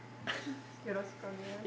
よろしくお願いします。